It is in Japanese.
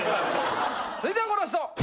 続いてはこの人！